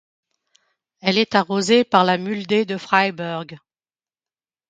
Elle est arrosée par la Mulde de Freiberg.